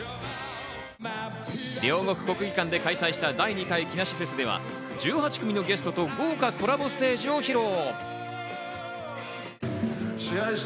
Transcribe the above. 両国国技館で開催した第２回木梨フェスでは、１８組のゲストと豪華コラボステージを披露。